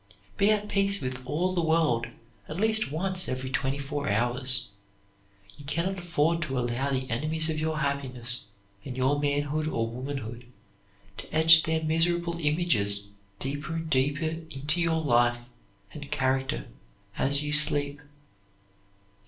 Be at peace with all the world at least once every twenty four hours. You can not afford to allow the enemies of your happiness and your manhood or womanhood to etch their miserable images deeper and deeper into your life and character as you sleep.